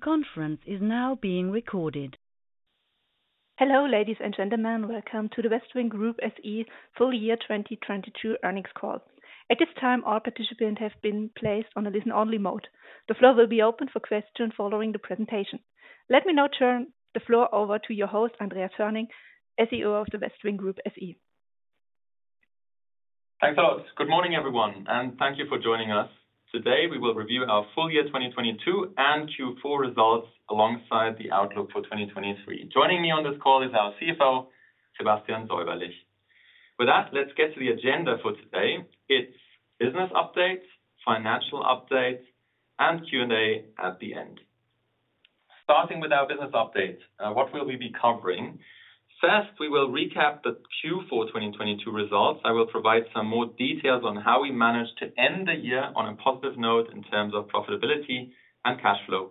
Hello, ladies and gentlemen. Welcome to the Westwing Group SE full-year 2022 earnings call. At this time, all participants have been placed on a listen-only mode. The floor will be open for questions following the presentation. Let me now turn the floor over to your host, Andreas Hoerning, CEO of the Westwing Group SE. Thanks, Alice. Good morning, everyone, and thank you for joining us. Today, we will review our full-year 2022 and Q4 results alongside the outlook for 2023. Joining me on this call is our CFO, Sebastian Säuberlich. With that, let's get to the agenda for today. It's business updates, financial updates, and Q&A at the end. Starting with our business update, what will we be covering? First, we will recap the Q4 2022 results. I will provide some more details on how we managed to end the year on a positive note in terms of profitability and cash flow.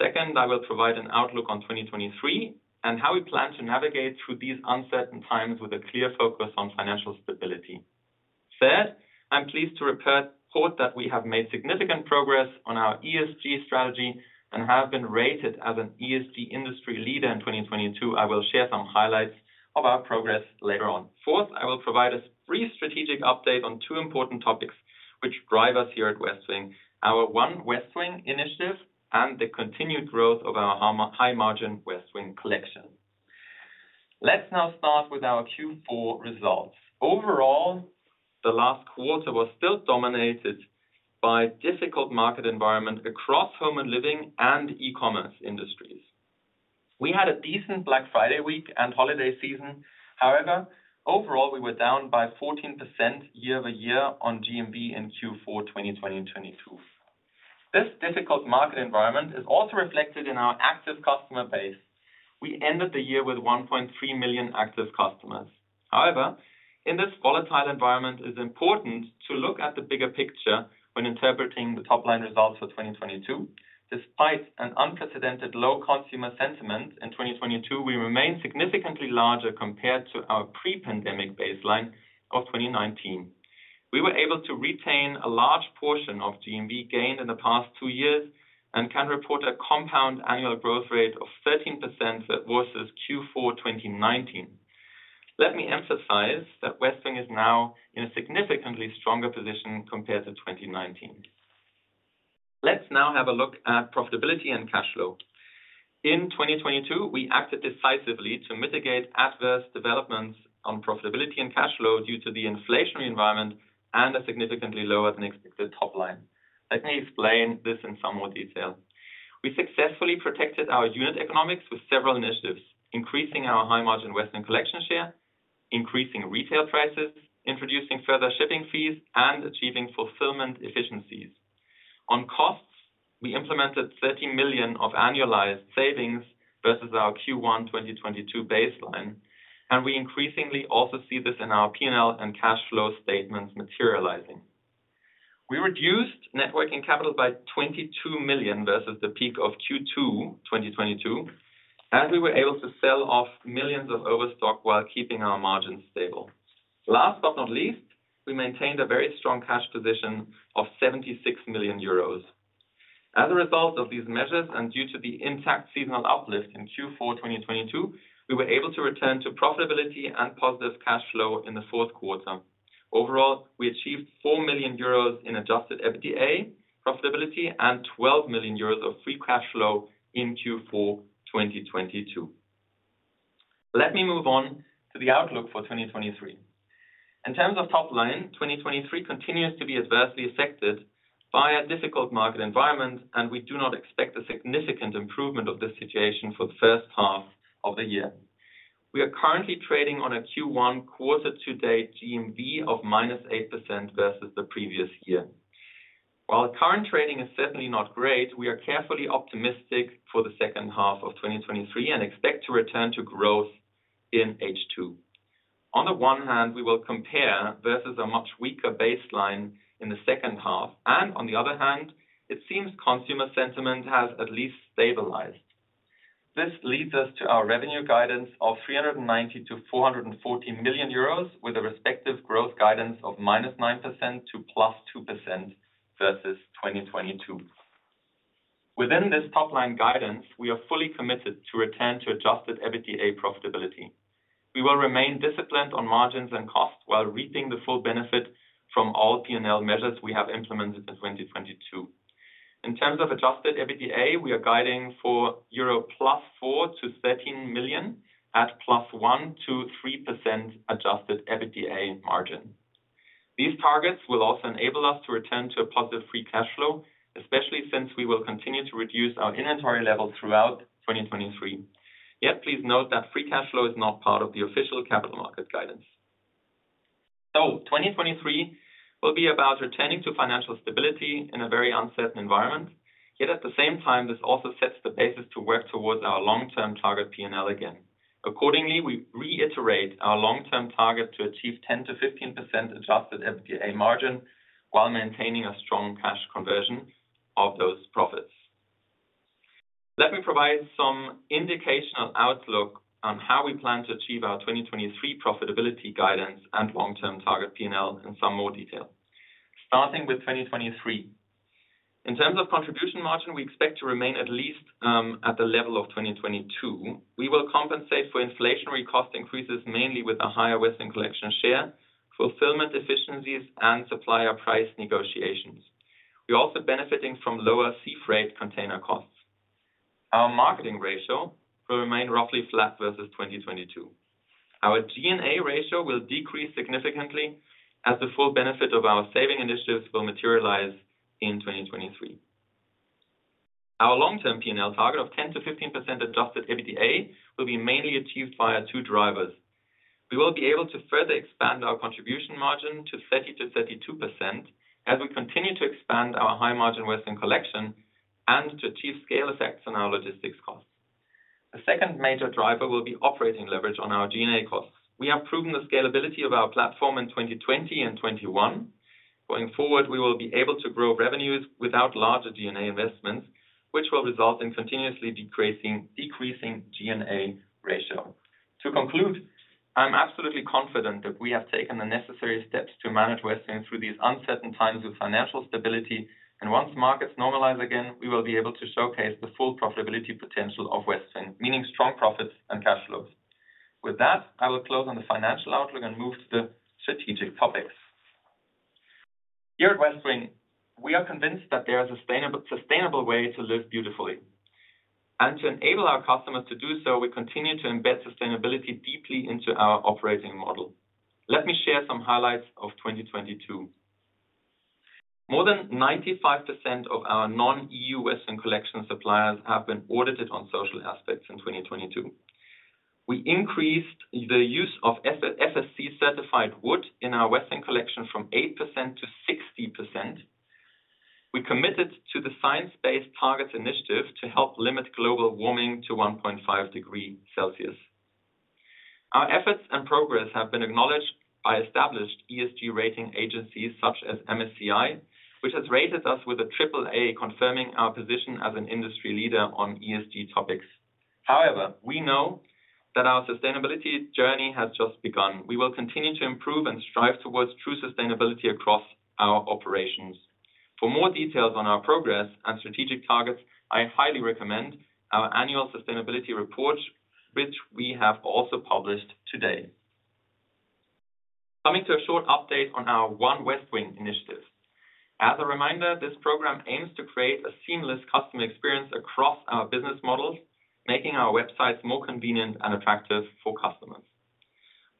Second, I will provide an outlook on 2023 and how we plan to navigate through these uncertain times with a clear focus on financial stability. I'm pleased to report that we have made significant progress on our ESG strategy and have been rated as an ESG industry leader in 2022. I will share some highlights of our progress later on. I will provide a brief strategic update on two important topics which drive us here at Westwing. Our One Westwing initiative and the continued growth of our high margin Westwing Collection. Let's now start with our Q4 results. Overall, the last quarter was still dominated by difficult market environment across home and living and e-commerce industries. We had a decent Black Friday week and holiday season. Overall, we were down by 14% year-over-year on GMV in Q4 2020 and 2022. This difficult market environment is also reflected in our active customer base. We ended the year with 1.3 million active customers. However, in this volatile environment, it's important to look at the bigger picture when interpreting the top-line results for 2022. Despite an unprecedented low consumer sentiment in 2022, we remain significantly larger compared to our pre-pandemic baseline of 2019. We were able to retain a large portion of GMV gained in the past two years and can report a compound annual growth rate of 13% versus Q4 2019. Let me emphasize that Westwing is now in a significantly stronger position compared to 2019. Let's now have a look at profitability and cash flow. In 2022, we acted decisively to mitigate adverse developments on profitability and cash flow due to the inflationary environment and a significantly lower than expected top line. Let me explain this in some more detail. We successfully protected our unit economics with several initiatives, increasing our high-margin Westwing Collection share, increasing retail prices, introducing further shipping fees, and achieving fulfillment efficiencies. On costs, we implemented 30 million of annualized savings versus our Q1 2022 baseline. We increasingly also see this in our P&L and cash flow statements materializing. We reduced net working capital by 22 million versus the peak of Q2 2022. We were able to sell off millions of overstock while keeping our margins stable. Last but not least, we maintained a very strong cash position of 76 million euros. As a result of these measures, due to the intact seasonal uplift in Q4 2022, we were able to return to profitability and positive cash flow in the fourth quarter. Overall, we achieved 4 million euros in adjusted EBITDA profitability and 12 million euros of free cash flow in Q4 2022. Let me move on to the outlook for 2023. In terms of top line, 2023 continues to be adversely affected by a difficult market environment, and we do not expect a significant improvement of this situation for the first half of the year. We are currently trading on a Q1 quarter-to-date GMV of -8% versus the previous year. While the current trading is certainly not great, we are carefully optimistic for the second half of 2023 and expect to return to growth in H2. On the one hand, we will compare versus a much weaker baseline in the second half and on the other hand, it seems consumer sentiment has at least stabilized. This leads us to our revenue guidance of 390 million-414 million euros with a respective growth guidance of -9% to +2% versus 2022. Within this top-line guidance, we are fully committed to return to adjusted EBITDA profitability. We will remain disciplined on margins and costs while reaping the full benefit from all P&L measures we have implemented in 2022. In terms of adjusted EBITDA, we are guiding for +4 million euro to 13 million at +1% to +3% adjusted EBITDA margin. These targets will also enable us to return to a positive free cash flow, especially since we will continue to reduce our inventory level throughout 2023. Please note that free cash flow is not part of the official capital market guidance. 2023 will be about returning to financial stability in a very uncertain environment, yet at the same time, this also sets the basis to work towards our long-term target P&L again. Accordingly, we reiterate our long-term target to achieve 10%-15% adjusted EBITDA margin while maintaining a strong cash conversion of those profits. Let me provide some indication on outlook on how we plan to achieve our 2023 profitability guidance and long-term target P&L in some more detail. Starting with 2023. In terms of contribution margin, we expect to remain at least at the level of 2022. We will compensate for inflationary cost increases mainly with a higher Westwing Collection share, fulfillment efficiencies, and supplier price negotiations. We're also benefiting from lower sea freight container costs. Our marketing ratio will remain roughly flat versus 2022. Our G&A ratio will decrease significantly as the full benefit of our saving initiatives will materialize in 2023. Our long-term P&L target of 10%-15% adjusted EBITDA will be mainly achieved via two drivers. We will be able to further expand our contribution margin to 30%-32% as we continue to expand our high margin Westwing Collection and to achieve scale effects on our logistics costs. The second major driver will be operating leverage on our G&A costs. We have proven the scalability of our platform in 2020 and 2021. Going forward, we will be able to grow revenues without larger G&A investments, which will result in continuously decreasing G&A ratio. To conclude, I'm absolutely confident that we have taken the necessary steps to manage Westwing through these uncertain times with financial stability. Once markets normalize again, we will be able to showcase the full profitability potential of Westwing, meaning strong profits and cash flows. With that, I will close on the financial outlook and move to the strategic topics. Here at Westwing, we are convinced that there are sustainable way to live beautifully. To enable our customers to do so, we continue to embed sustainability deeply into our operating model. Let me share some highlights of 2022. More than 95% of our non-EU Westwing Collection suppliers have been audited on social aspects in 2022. We increased the use of FSC certified wood in our Westwing Collection from 8%-60%. We committed to the Science Based Targets initiative to help limit global warming to 1.5 degrees Celsius. Our efforts and progress have been acknowledged by established ESG rating agencies such as MSCI, which has rated us with a triple A, confirming our position as an industry leader on ESG topics. However, we know that our sustainability journey has just begun. We will continue to improve and strive towards true sustainability across our operations. For more details on our progress and strategic targets, I highly recommend our Annual Sustainability Report, which we have also published today. Coming to a short update on our One Westwing initiative. As a reminder, this program aims to create a seamless customer experience across our business models, making our websites more convenient and attractive for customers.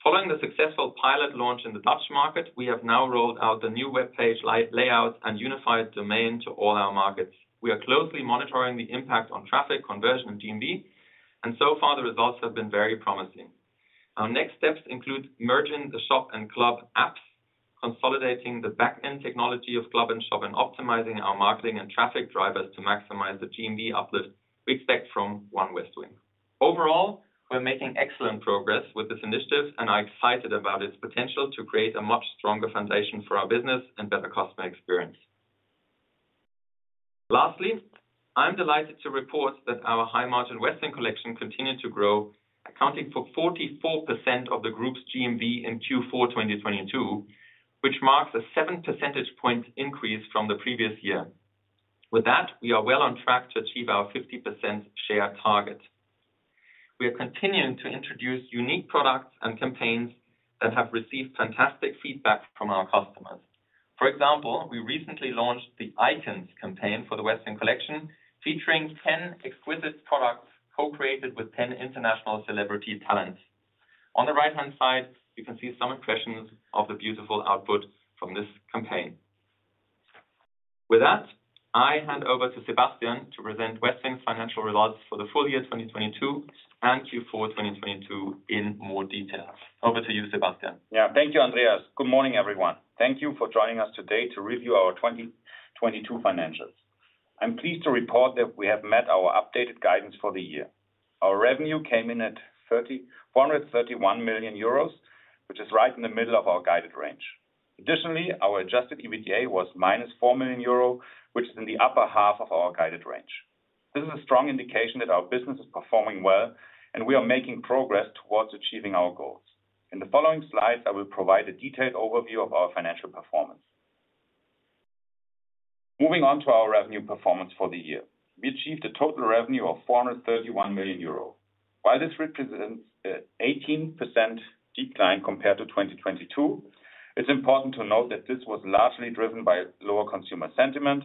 Following the successful pilot launch in the Dutch market, we have now rolled out the new webpage layout and unified domain to all our markets. We are closely monitoring the impact on traffic conversion of GMV, and so far the results have been very promising. Our next steps include merging the shop and club apps, consolidating the back-end technology of club and shop, and optimizing our marketing and traffic drivers to maximize the GMV uplift we expect from One Westwing. Overall, we're making excellent progress with this initiative and are excited about its potential to create a much stronger foundation for our business and better customer experience. Lastly, I'm delighted to report that our high-margin Westwing Collection continued to grow, accounting for 44% of the group's GMV in Q4 2022, which marks a 7% point increase from the previous year. With that, we are well on track to achieve our 50% share target. We are continuing to introduce unique products and campaigns that have received fantastic feedback from our customers. For example, we recently launched the Icons campaign for the Westwing Collection, featuring ten exquisite products co-created with ten international celebrity talent. On the right-hand side, you can see some impressions of the beautiful output from this campaign. With that, I hand over to Sebastian to present Westwing's financial results for the full-year 2022 and Q4 2022 in more detail. Over to you, Sebastian. Yeah. Thank you, Andreas. Good morning, everyone. Thank you for joining us today to review our 2022 financials. I'm pleased to report that we have met our updated guidance for the year. Our revenue came in at 431 million euros, which is right in the middle of our guided range. Additionally, our adjusted EBITDA was -4 million euro, which is in the upper half of our guided range. This is a strong indication that our business is performing well and we are making progress towards achieving our goals. In the following slides, I will provide a detailed overview of our financial performance. Moving on to our revenue performance for the year. We achieved a total revenue of 431 million euros. While this represents an 18% decline compared to 2022, it's important to note that this was largely driven by lower consumer sentiment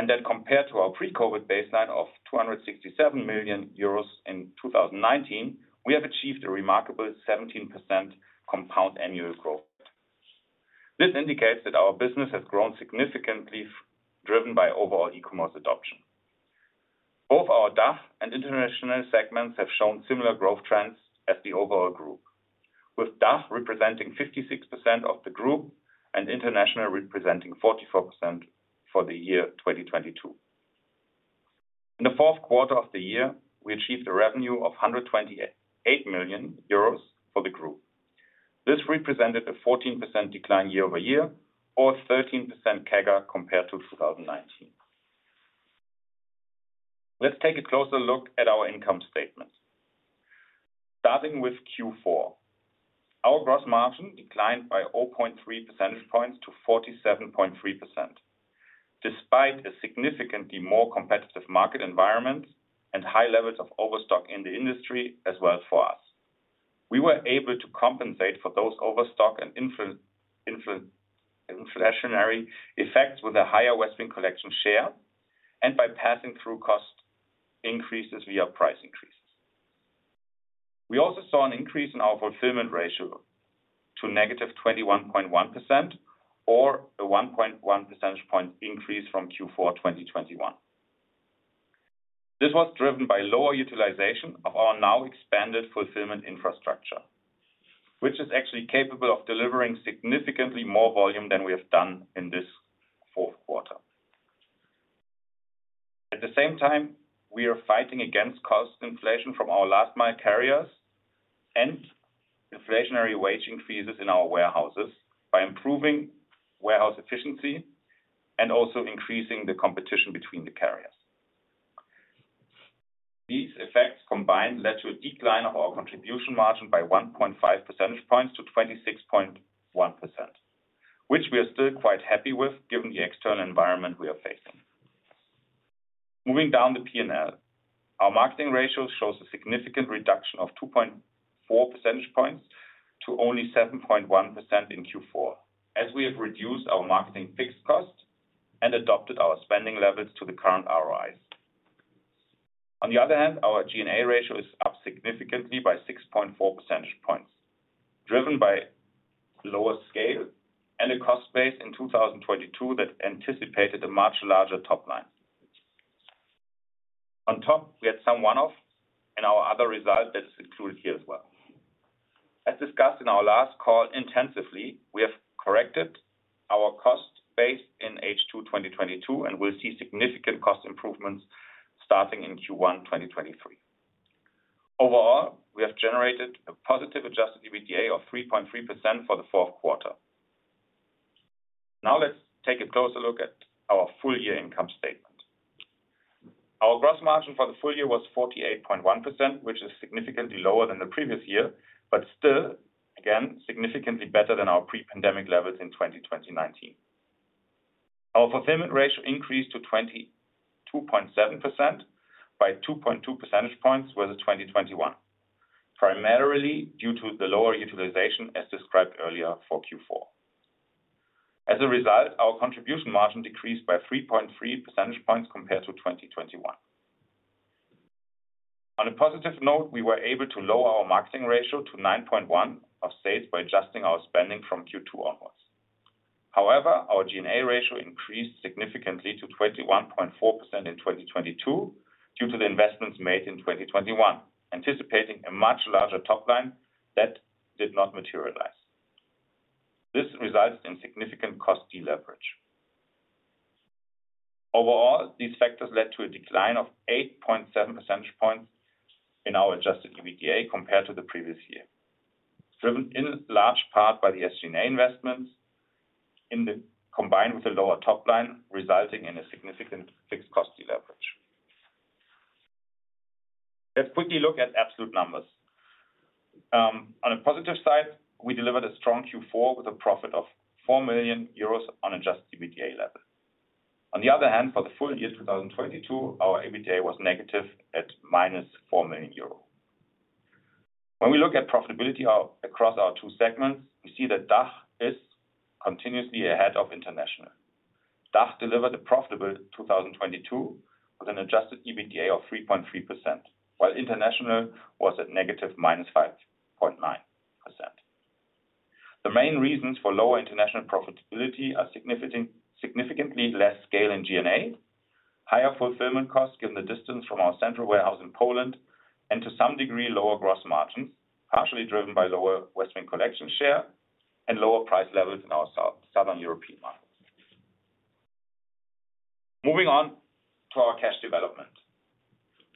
and that compared to our pre-COVID baseline of 267 million euros in 2019, we have achieved a remarkable 17% compound annual growth. This indicates that our business has grown significantly, driven by overall e-commerce adoption. Both our DACH and International segments have shown similar growth trends as the overall group, with DACH representing 56% of the group and international representing 44% for the year 2022. In the fourth quarter of the year, we achieved a revenue of 128 million euros for the group. This represented a 14% decline year-over-year or a 13% CAGR compared to 2019. Let's take a closer look at our income statement. Starting with Q4. Our gross margin declined by 0.3 percentage points to 47.3%, despite a significantly more competitive market environment and high levels of overstock in the industry as well for us. We were able to compensate for those overstock and inflationary effects with a higher Westwing Collection share and by passing through cost increases via price increases. We also saw an increase in our fulfillment ratio to negative 21.1% or a 1.1% point increase from Q4, 2021. This was driven by lower utilization of our now expanded fulfillment infrastructure, which is actually capable of delivering significantly more volume than we have done in this fourth quarter. At the same time, we are fighting against cost inflation from our last mile carriers and inflationary wage increases in our warehouses by improving warehouse efficiency and also increasing the competition between the carriers. These effects combined led to a decline of our contribution margin by 1.5% points to 26.1%, which we are still quite happy with given the external environment we are facing. Moving down the P&L. Our marketing ratio shows a significant reduction of 2.4% points to only 7.1% in Q4, as we have reduced our marketing fixed cost and adopted our spending levels to the current ROIs. Our G&A ratio is up significantly by 6.4% points, driven by lower scale and a cost base in 2022 that anticipated a much larger top line. We had some one-off in our other results that is included here as well. As discussed in our last call intensively, we have corrected our cost base in H2 2022, and we'll see significant cost improvements starting in Q1 2023. Overall, we have generated a positive adjusted EBITDA of 3.3% for the fourth quarter. Now let's take a closer look at our full-year income statement. Our gross margin for the full-year was 48.1%, which is significantly lower than the previous year, but still again, significantly better than our pre-pandemic levels in 2019. Our fulfillment ratio increased to 22.7% by 2.2% points versus 2021, primarily due to the lower utilization as described earlier for Q4. As a result, our contribution margin decreased by 3.3% points compared to 2021. On a positive note, we were able to lower our marketing ratio to 9.1 of sales by adjusting our spending from Q2 onwards. Our G&A ratio increased significantly to 21.4% in 2022 due to the investments made in 2021, anticipating a much larger top line that did not materialize. This results in significant cost deleverage. Overall, these factors led to a decline of 8.7% points in our adjusted EBITDA compared to the previous year, driven in large part by the SG&A investments combined with a lower top line, resulting in a significant fixed cost deleverage. Let's quickly look at absolute numbers. On a positive side, we delivered a strong Q4 with a profit of 4 million euros on adjusted EBITDA level. On the other hand, for the full-year 2022, our EBITDA was negative at - 4 million euro. When we look at profitability across our two segments, we see that DACH is continuously ahead of International. DACH delivered a profitable 2022 with an adjusted EBITDA of 3.3%, while International was at negative -5.9%. The main reasons for lower International profitability are significantly less scale in G&A, higher fulfillment costs given the distance from our central warehouse in Poland, and to some degree, lower gross margins, partially driven by lower Westwing Collection share and lower price levels in our southern European markets. Moving on to our cash development.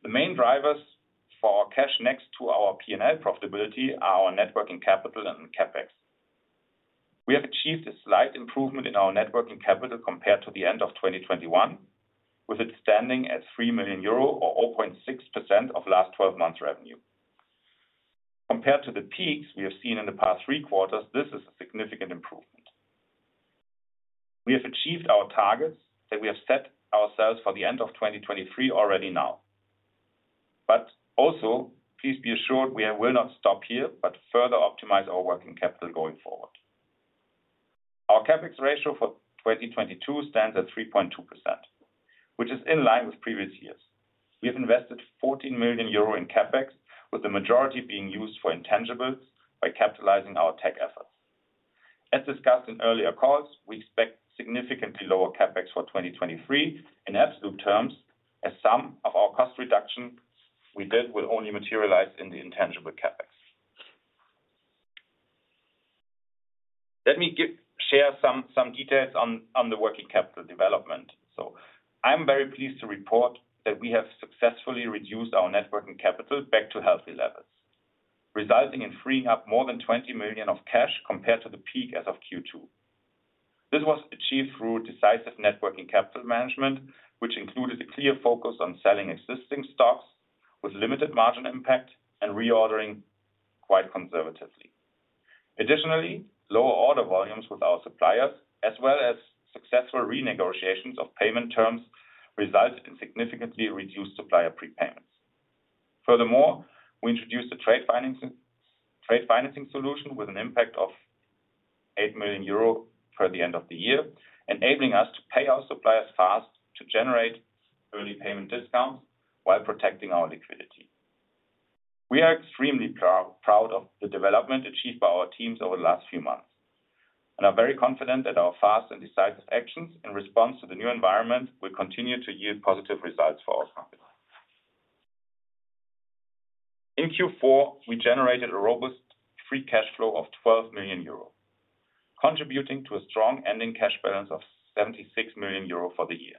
The main drivers for our cash next to our P&L profitability are our net working capital and CapEx. We have achieved a slight improvement in our net working capital compared to the end of 2021, with it standing at 3 million euro or 0.6% of last 12 months revenue. Compared to the peaks we have seen in the past three quarters, this is a significant improvement. We have achieved our targets that we have set ourselves for the end of 2023 already now. Also please be assured we will not stop here but further optimize our working capital going forward. Our CapEx ratio for 2022 stands at 3.2%, which is in line with previous years. We have invested 14 million euro in CapEx, with the majority being used for intangibles by capitalizing our tech efforts. As discussed in earlier calls, we expect significantly lower CapEx for 2023 in absolute terms as some of our cost reduction we did will only materialize in the intangible CapEx. Let me share some details on the working capital development. I'm very pleased to report that we have successfully reduced our net working capital back to healthy levels, resulting in freeing up more than 20 million of cash compared to the peak as of Q2. This was achieved through decisive net working capital management, which included a clear focus on selling existing stocks with limited margin impact and reordering quite conservatively. Additionally, lower order volumes with our suppliers as well as successful renegotiations of payment terms resulted in significantly reduced supplier prepayments. Furthermore, we introduced a trade financing solution with an impact of 8 million euro for the end of the year, enabling us to pay our suppliers fast to generate early payment discounts while protecting our liquidity. We are extremely proud of the development achieved by our teams over the last few months and are very confident that our fast and decisive actions in response to the new environment will continue to yield positive results for our company. In Q4, we generated a robust free cash flow of 12 million euro, contributing to a strong ending cash balance of 76 million euro for the year.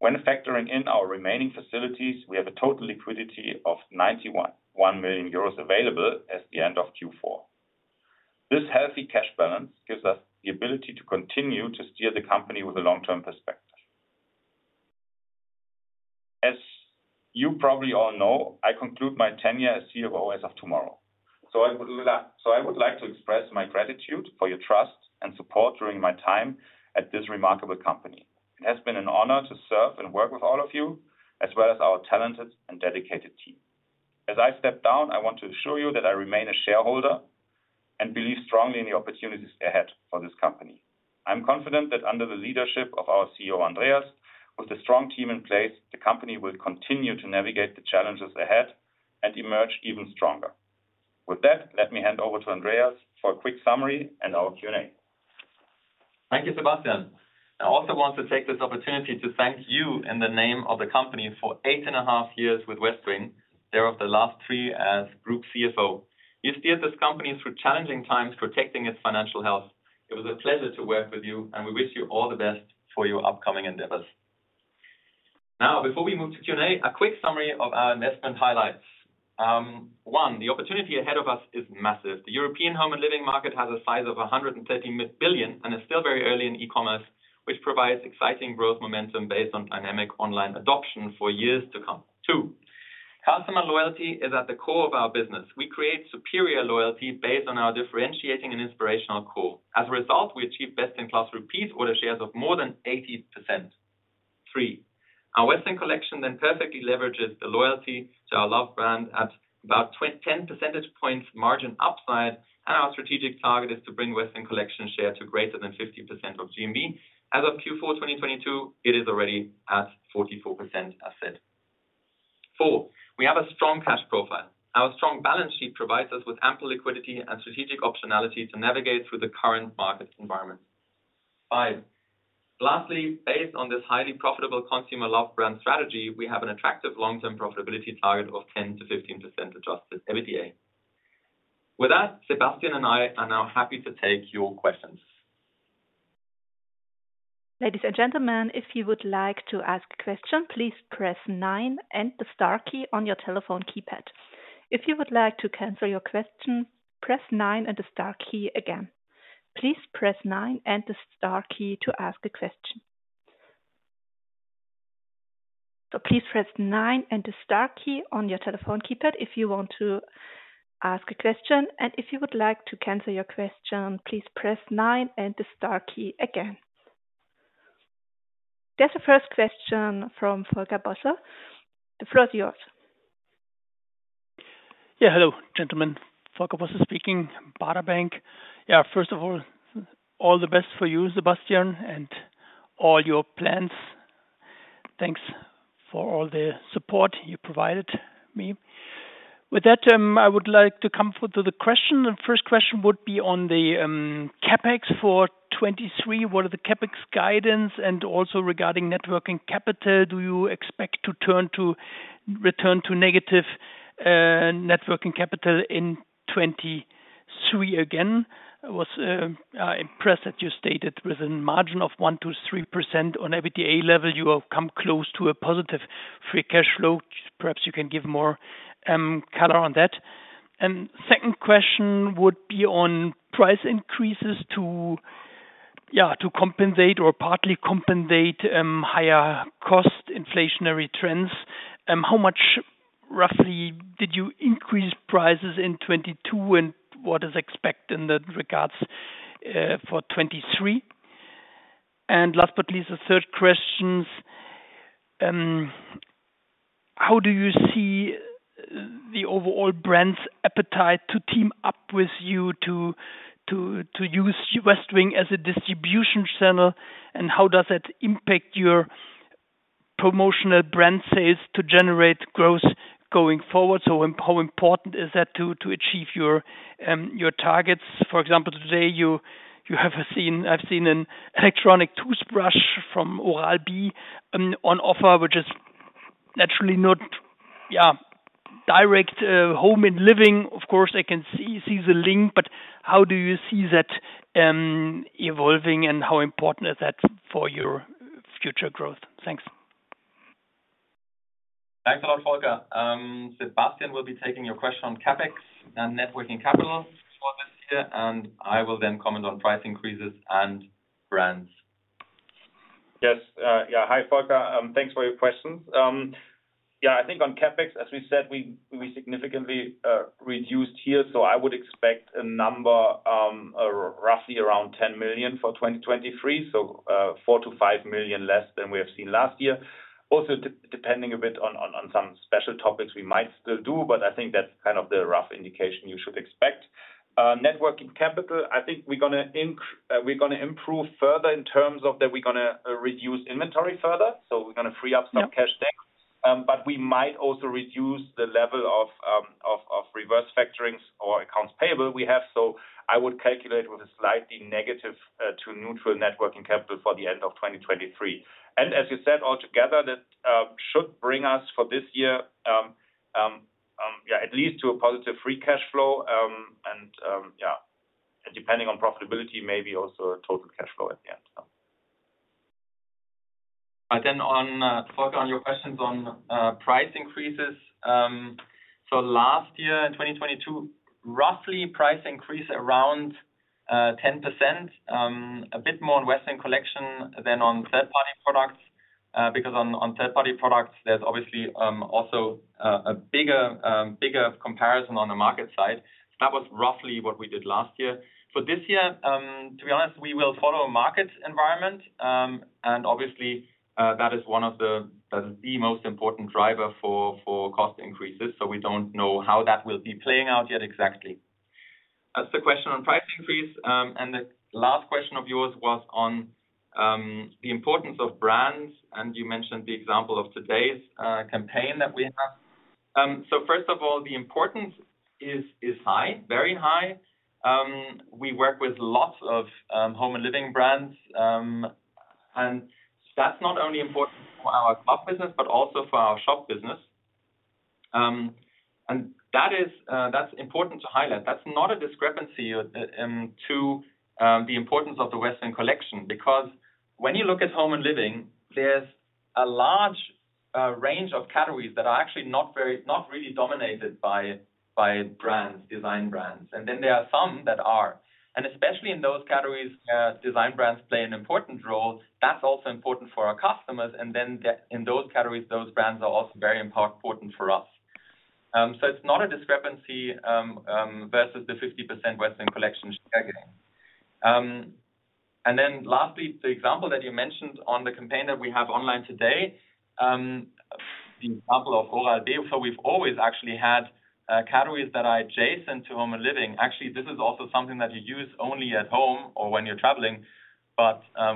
When factoring in our remaining facilities, we have a total liquidity of 91 million euros available as the end of Q4. This healthy cash balance gives us the ability to continue to steer the company with a long-term perspective. As you probably all know, I conclude my tenure as CEO as of tomorrow. I would like to express my gratitude for your trust and support during my time at this remarkable company. It has been an honor to serve and work with all of you, as well as our talented and dedicated team. As I step down, I want to assure you that I remain a shareholder and believe strongly in the opportunities ahead for this company. I'm confident that under the leadership of our CEO, Andreas, with a strong team in place, the company will continue to navigate the challenges ahead and emerge even stronger. With that, let me hand over to Andreas for a quick summary and our Q&A. Thank you, Sebastian. I also want to take this opportunity to thank you in the name of the company for 8.5 years with Westwing, thereof the last three as Group CFO. You steered this company through challenging times, protecting its financial health. It was a pleasure to work with you. We wish you all the best for your upcoming endeavors. Now, before we move to Q&A, a quick summary of our investment highlights. one, the opportunity ahead of us is massive. The European home and living market has a size of 130 billion and is still very early in e-commerce, which provides exciting growth momentum based on dynamic online adoption for years to come. Two, customer loyalty is at the core of our business. We create superior loyalty based on our differentiating and inspirational core. We achieve best-in-class repeat order shares of more than 80%. Three, our Westwing Collection perfectly leverages the loyalty to our loved brand at about 10 percentage points margin upside. Our strategic target is to bring Westwing Collection share to greater than 50% of GMV. As of Q4 2022, it is already at 44% asset. Four, we have a strong cash profile. Our strong balance sheet provides us with ample liquidity and strategic optionality to navigate through the current market environment. Five. Lastly, based on this highly profitable consumer loved brand strategy, we have an attractive long-term profitability target of 10%-15% adjusted EBITDA. With that, Sebastian and I are now happy to take your questions. Ladies and gentlemen, if you would like to ask a question, please press nine and the Star key on your telephone keypad. If you would like to cancel your question, press nine and the Star key again. Please press nine and the Star key to ask a question. Please press nine and the Star key on your telephone keypad if you want to ask a question. If you would like to cancel your question, please press nine and the Star key again. There's a first question from Volker Bosse. The floor is yours. Hello, gentlemen. Volker Bosse speaking, Baader Bank. First of all the best for you, Sebastian, and all your plans. Thanks for all the support you provided me. With that, I would like to come to the question. The first question would be on the CapEx for 2023. What are the CapEx guidance? Also regarding net working capital, do you expect to return to negative net working capital in 2023 again? I was impressed that you stated within margin of 1%-3% on EBITDA level, you have come close to a positive free cash flow. Perhaps you can give more color on that. Second question would be on price increases to compensate or partly compensate higher cost inflationary trends. How much roughly did you increase prices in 2022, and what is expected in the regards for 2023? Last but least, the third questions, how do you see the overall brand's appetite to team up with you to use Westwing as a distribution channel? How does that impact your promotional brand sales to generate growth going forward? How important is that to achieve your targets? For example, today I've seen an electronic toothbrush from Oral-B on offer, which is naturally not direct home and living. Of course, I can see the link, but how do you see that evolving, and how important is that for your future growth? Thanks. Thanks a lot, Volker. Sebastian will be taking your question on CapEx and net working capital for this year, and I will then comment on price increases and brands. Yes. Yeah. Hi, Volker. Thanks for your questions. Yeah, I think on CapEx, as we said, we significantly reduced here, so I would expect a number roughly around 10 million for 2023. 4 million-5 million less than we have seen last year. Also depending a bit on some special topics we might still do, but I think that's kind of the rough indication you should expect. Net working capital, I think we're gonna improve further in terms of that we're gonna reduce inventory further, so we're gonna free up some cash deck. We might also reduce the level of reverse factoring or accounts payable we have. I would calculate with a slightly negative to neutral net working capital for the end of 2023. As you said, altogether that should bring us for this year at least to a positive free cash flow. Depending on profitability, maybe also a total cash flow at the end. On Volker, on your questions on price increases. Last year in 2022, roughly price increase around 10%, a bit more on Westwing Collection than on third-party products. Because on third-party products, there's obviously also a bigger comparison on the market side. That was roughly what we did last year. For this year, to be honest, we will follow market environment. Obviously, that is one of the, that is the most important driver for cost increases, so we don't know how that will be playing out yet exactly. That's the question on price increase. The last question of yours was on the importance of brands, and you mentioned the example of today's campaign that we have. First of all, the importance is high, very high. We work with lots of home and living brands. That's not only important for our club business but also for our Shop business. That is, that's important to highlight. That's not a discrepancy to the importance of the Westwing Collection. Because when you look at home and living, there's a large range of categories that are actually not really dominated by brands, design brands. There are some that are. Especially in those categories, design brands play an important role. That's also important for our customers. In those categories, those brands are also very important for us. It's not a discrepancy versus the 50% Westwing Collection share gain. Lastly, the example that you mentioned on the campaign that we have online today, the example of Oral-B. We've always actually had categories that are adjacent to home and living. Actually, this is also something that you use only at home or when you're traveling.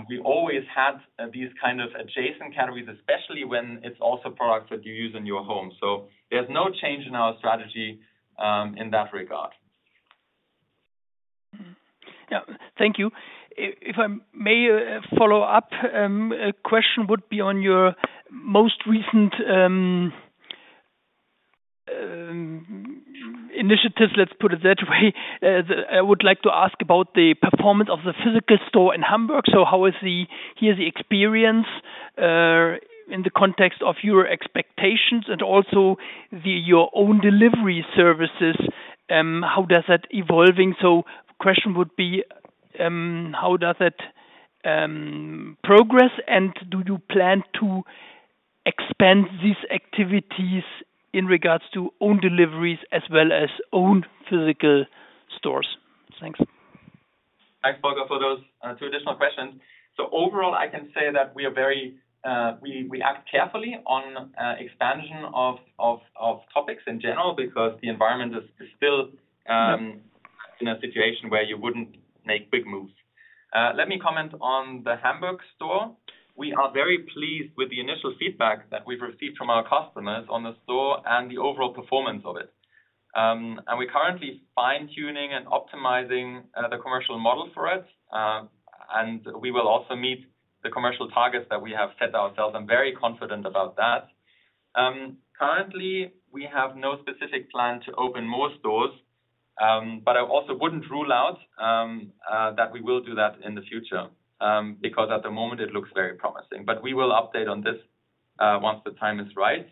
We always had these kind of adjacent categories, especially when it's also products that you use in your home. There's no change in our strategy in that regard. Yeah. Thank you. If I may, follow-up, a question would be on your most recent initiatives, let's put it that way. I would like to ask about the performance of the physical store in Hamburg. How is the, here is the experience, in the context of your expectations and also the, your own delivery services, how does that evolving? Question would be, how does that progress, and do you plan to expand these activities in regards to own deliveries as well as own physical stores? Thanks. Thanks, Volker, for those two additional questions. Overall, I can say that we are very, we act carefully on expansion of topics in general because the environment is still in a situation where you wouldn't make big moves. Let me comment on the Hamburg store. We are very pleased with the initial feedback that we've received from our customers on the store and the overall performance of it. We're currently fine-tuning and optimizing the commercial model for it. We will also meet the commercial targets that we have set ourselves. I'm very confident about that. Currently, we have no specific plan to open more stores, but I also wouldn't rule out that we will do that in the future, because at the moment it looks very promising. We will update on this once the time is right.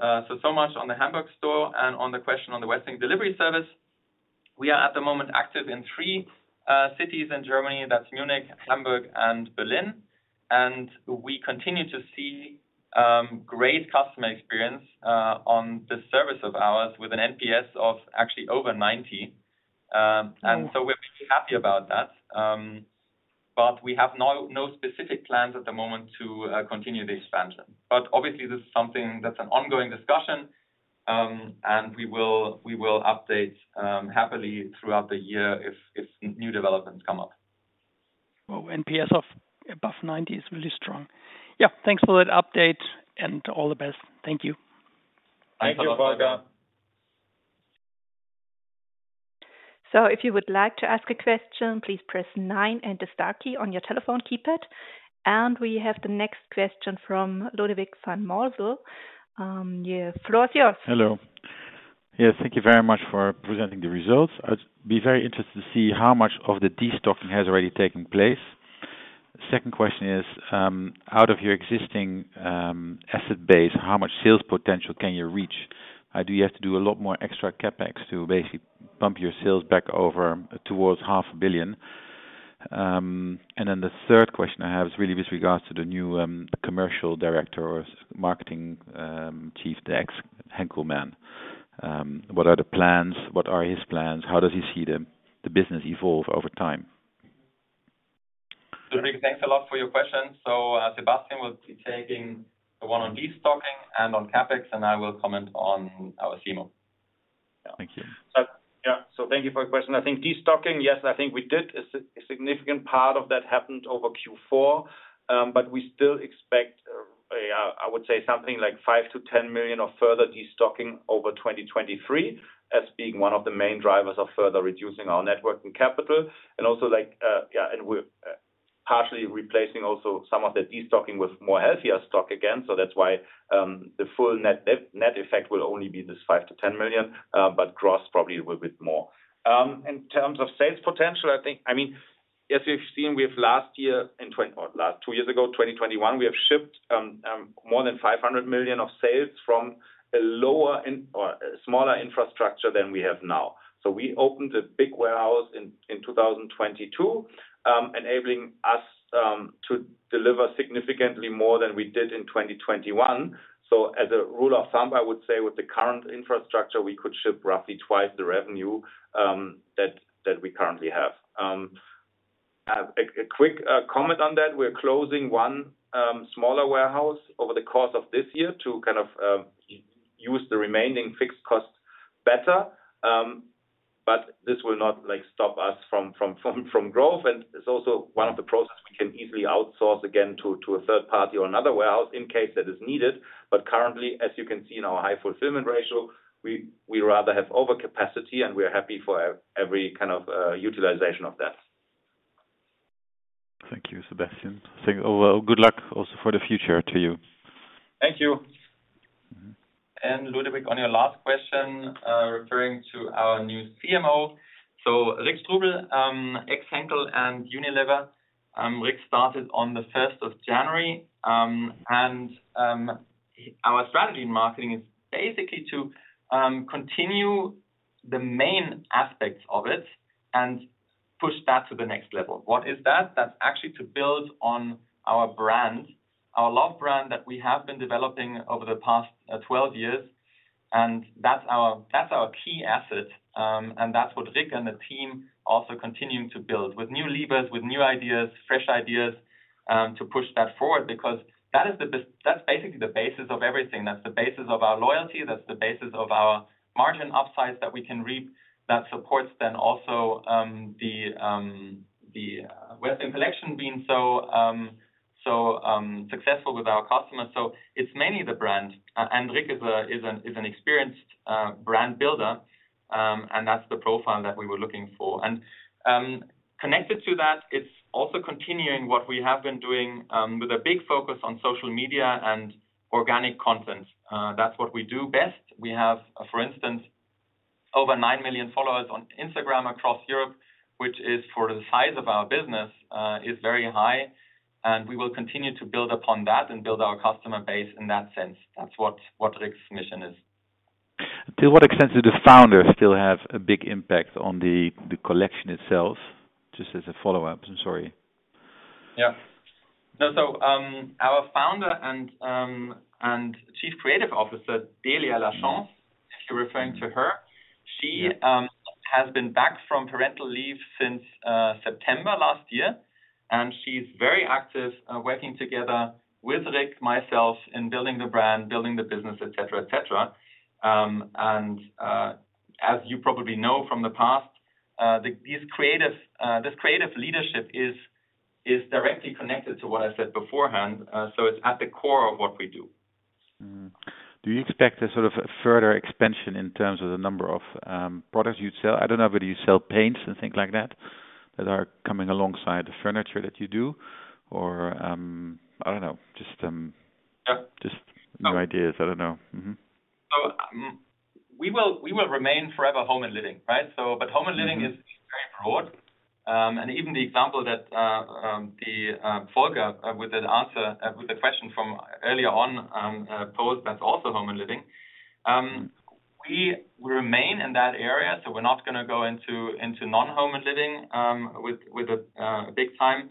So much on the Hamburg store and on the question on the Westwing Delivery Service. We are at the moment active in three cities in Germany. That's Munich, Hamburg, and Berlin. We continue to see great customer experience on this service of ours with an NPS of actually over 90. We're pretty happy about that. We have no specific plans at the moment to continue the expansion. Obviously, this is something that's an ongoing discussion, and we will update happily throughout the year if new developments come up. Well, NPS of above 90 is really strong. Yeah, thanks for that update and all the best. Thank you. Thank you, Volker. Thank you, Volker. If you would like to ask a question, please press nine and the Star key on your telephone keypad. We have the next question from Ludovic de Mot. Yeah. Floor is yours. Hello. Yes, thank you very much for presenting the results. I'd be very interested to see how much of the destocking has already taken place. Second question is, out of your existing asset base, how much sales potential can you reach? Do you have to do a lot more extra CapEx to basically bump your sales back over towards 500 million? The third question I have is really with regards to the new commercial director or marketing chief, the ex Henkel man. What are the plans? What are his plans? How does he see the business evolve over time? Ludovic, thanks a lot for your questions. Sebastian Säuberlich will be taking the one on destocking and on CapEx, and I will comment on our CMO. Yeah. Thank you. Yeah. Thank you for your question. I think destocking, yes, I think we did. A significant part of that happened over Q4, we still expect I would say something like 5 million-10 million of further destocking over 2023 as being one of the main drivers of further reducing our net working capital and also like, yeah, we're partially replacing also some of the destocking with more healthier stock again. That's why the full net effect will only be this 5 million-10 million, gross probably will be more. In terms of sales potential, I think. I mean, as you've seen, we have last year in last two years ago, 2021, we have shipped more than 500 million of sales from a lower or a smaller infrastructure than we have now. We opened a big warehouse in 2022, enabling us to deliver significantly more than we did in 2021. As a rule of thumb, I would say with the current infrastructure, we could ship roughly twice the revenue that we currently have. A quick comment on that, we're closing one smaller warehouse over the course of this year to kind of use the remaining fixed costs better, this will not, like, stop us from growth. It's also one of the process we can easily outsource again to a third party or another warehouse in case that is needed. Currently, as you can see in our high fulfillment ratio, we rather have overcapacity, and we are happy for every kind of utilization of that. Thank you, Sebastian. Think all well. Good luck also for the future to you. Thank you. Mm-hmm. Ludovic, on your last question, referring to our new CMO. Rik Strubel, ex Henkel and Unilever, Rick started on the 1st of January, and our strategy in marketing is basically to continue the main aspects of it and push that to the next level. What is that? That's actually to build on our brand, our love brand that we have been developing over the past 12 years, and that's our key asset, and that's what Rick and the team also continuing to build with new levers, with new ideas, fresh ideas, to push that forward because that's basically the basis of everything. That's the basis of our loyalty, that's the basis of our margin upsides that we can reap that supports then also the Westwing Collection being so successful with our customers. It's mainly the brand, and Rik is an experienced brand builder, and that's the profile that we were looking for. Connected to that, it's also continuing what we have been doing with a big focus on social media and organic content. That's what we do best. We have, for instance, over 9 million followers on Instagram across Europe, which is, for the size of our business, is very high, and we will continue to build upon that and build our customer base in that sense. That's what Rik's mission is. To what extent do the founders still have a big impact on the collection itself? Just as a follow-up. Sorry. Yeah. No. Our Founder and Chief Creative Officer, Delia Lachance, if you're referring to her... Yeah. She has been back from parental leave since September last year, and she's very active, working together with Rik, myself in building the brand, building the business, et cetera, et cetera. As you probably know from the past, these creative, this creative leadership is directly connected to what I said beforehand, so it's at the core of what we do. Do you expect a sort of a further expansion in terms of the number of products you'd sell? I don't know whether you sell paints and things like that are coming alongside the furniture that you do or, I don't know, just. Yeah. Just newideas. I don't know. Mm-hmm. We will remain forever home and living, right? home and living. Mm-hmm. Is very broad. Even the example that the Volker with an answer with the question from earlier on posed, that's also home and living. We remain in that area, so we're not gonna go into non-home and living with a big time.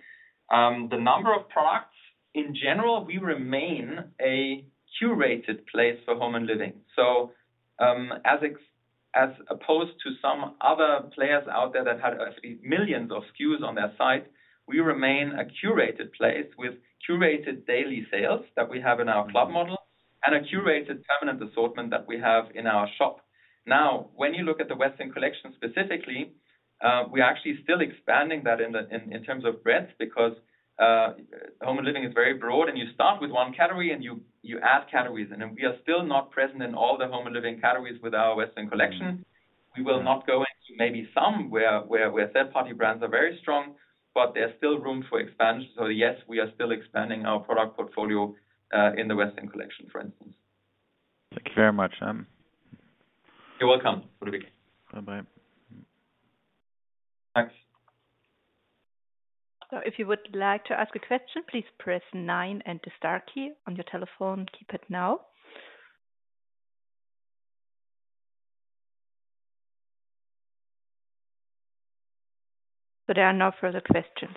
The number of products, in general, we remain a curated place for home and living. As opposed to some other players out there that had millions of SKUs on their site, we remain a curated place with curated daily sales that we have in our club model and a curated permanent assortment that we have in our shop. Now, when you look at the Westwing Collection specifically, we're actually still expanding that in terms of breadth because home and living is very broad and you start with one category and you add categories in. We are still not present in all the home and living categories with our Westwing Collection. Mm. We will not go into maybe some where third-party brands are very strong, but there's still room for expansion. Yes, we are still expanding our product portfolio in the Westwing Collection, for instance. Thank you very much. You're welcome, Ludovic. Bye-bye. Thanks. If you would like to ask a question, please press nine and the Star key on your telephone. Keep it now. There are no further questions.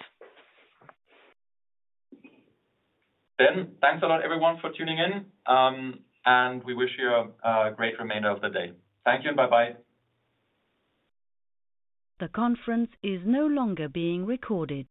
Thanks a lot everyone for tuning in, and we wish you a great remainder of the day. Thank you and bye-bye. The conference is no longer being recorded.